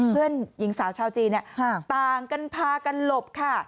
เพื่อนหญิงสาวชาวจีนต่างกันพากันหลบค่ะ